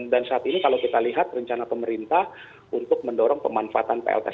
dan saat ini kalau kita lihat rencana pemerintah untuk mendorong pemanfaatan pln